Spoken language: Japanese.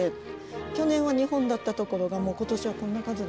去年は２本だったところが今年はこんな数になって。